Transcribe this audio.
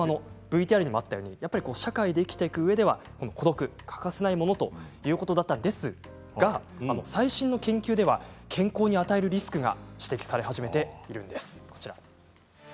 ＶＴＲにあったように社会で生きていくうえでは孤独は欠かせないものということだったんですが最新の研究では健康に与えるリスクが指摘され始めているんです。